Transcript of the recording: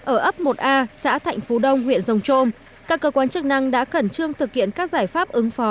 ở ấp một a xã thạnh phú đông huyện rồng trôm các cơ quan chức năng đã khẩn trương thực hiện các giải pháp ứng phó